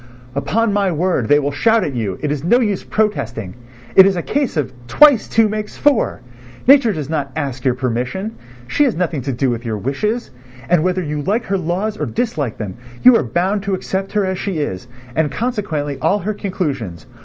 "Upon my word, they will shout at you, it is no use protesting: it is a case of twice two makes four! Nature does not ask your permission, she has nothing to do with your wishes, and whether you like her laws or dislike them, you are bound to accept her as she is, and consequently all her conclusions.